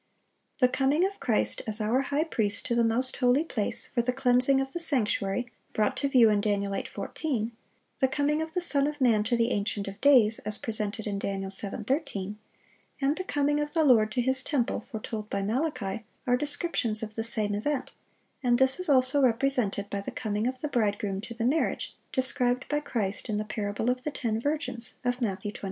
The coming of Christ as our high priest to the most holy place, for the cleansing of the sanctuary, brought to view in Dan. 8:14; the coming of the Son of man to the Ancient of days, as presented in Dan. 7:13; and the coming of the Lord to His temple, foretold by Malachi, are descriptions of the same event; and this is also represented by the coming of the bridegroom to the marriage, described by Christ in the parable of the ten virgins, of Matthew 25.